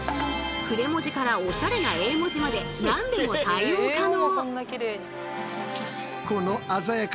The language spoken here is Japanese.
筆文字からおしゃれな英文字まで何でも対応可能！